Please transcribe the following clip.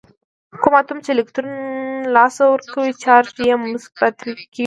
کوم اتوم چې الکترون له لاسه ورکوي چارج یې مثبت کیږي.